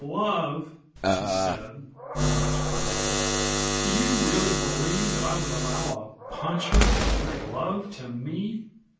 "Love!" she said, her lips curling. "Do you really believe that I would allow a puncher to make love to me?"